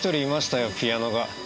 ピアノが。